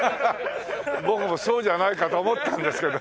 僕もそうじゃないかと思ったんですけどね。